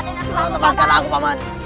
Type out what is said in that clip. tolong lepaskan aku taman